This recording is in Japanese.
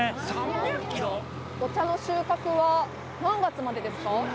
お茶の収穫は、何月までですか？